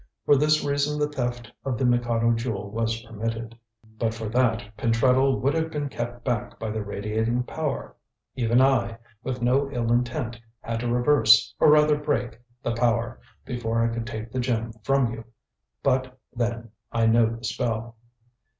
For this reason the theft of the Mikado Jewel was permitted. But for that, Pentreddle would have been kept back by the radiating power. Even I, with no ill intent, had to reverse, or rather break, the power, before I could take the gem from you. But, then, I know the spell."